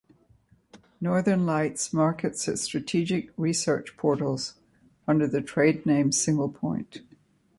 Northern Light markets its strategic research portals under the tradename SinglePoint.